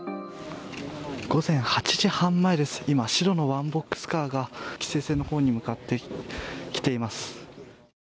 午前８時半前です、今、白のワンボックスカーが規制線の方に向かってきています。